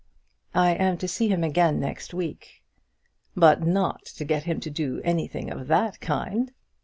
"I am to see him again next week." "But not to get him to do anything of that kind?"